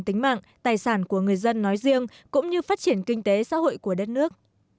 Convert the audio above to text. tính mạng tài sản của người dân nói riêng cũng như phát triển kinh tế xã hội của đất nước